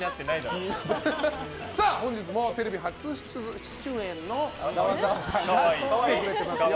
本日もテレビ初出演のざわざわさんが来てくれてますよ。